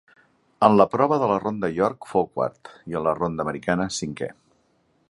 En la prova de la ronda York fou quart i en la ronda americana cinquè.